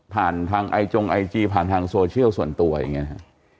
ทางไอจงไอจีผ่านทางโซเชียลส่วนตัวอย่างนี้ครับ